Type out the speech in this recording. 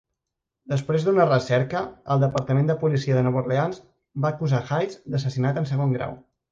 Després d'una recerca, el Departament de Policia de Nova Orleans va acusar Hayes d'assassinat en segon grau.